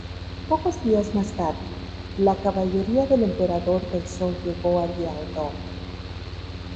Pocos días más tarde, la caballería del emperador Taizong llegó a Liaodong.